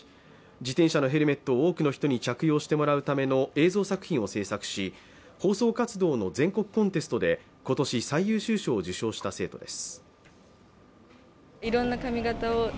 自転車のヘルメットを多くの人に着用してもらうための映像制作を制作し放送活動の全国コンテストで今年、最優秀賞を受賞した生徒です。